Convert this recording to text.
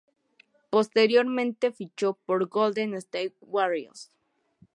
Posteriormente fichó por Golden State Warriors.